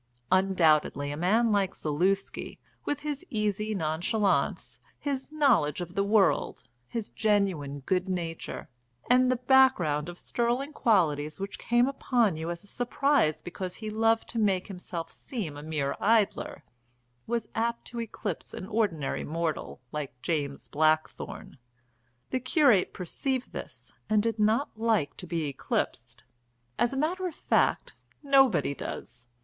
Undoubtedly a man like Zaluski, with his easy nonchalance, his knowledge of the world, his genuine good nature, and the background of sterling qualities which came upon you as a surprise because he loved to make himself seem a mere idler, was apt to eclipse an ordinary mortal like James Blackthorne. The curate perceived this and did not like to be eclipsed as a matter of fact, nobody does.